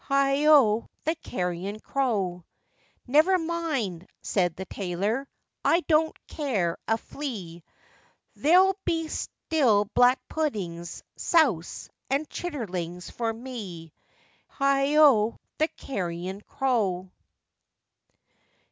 Heigho! the carrion crow. 'Never mind,' said the tailor, 'I don't care a flea, There'll be still black puddings, souse, and chitterlings for me.' Heigho! the carrion crow.